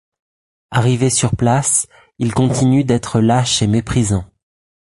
Arrivé sur place, il continue d'être lâche et méprisant.